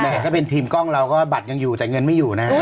ถ้าเป็นทีมกล้องเราก็บัตรยังอยู่แต่เงินไม่อยู่นะฮะ